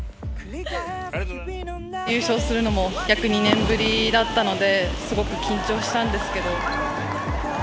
優勝するにも約２年ぶりだったので、すごく緊張したんですけれども。